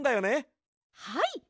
はい！